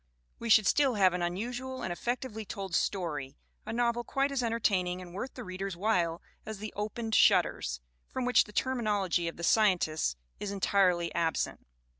We should still have an unusual and effec tively told story, a novel quite as entertaining and worth the reader's while as The Opened Shutters, from which the terminology of the Scientists is en tirely absent.